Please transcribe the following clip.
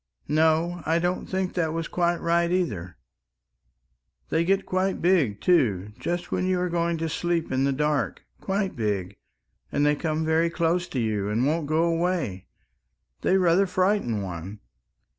No, I don't think that was quite right either. They get quite big, too, just when you are going to sleep in the dark quite big, and they come very close to you and won't go away ... they rather frighten one...."